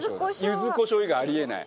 柚子こしょう以外、あり得ない。